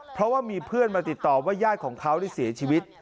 เพราะว่ามีเพื่อนมาติดต่อว่าญาติของเขาได้เสียชีวิต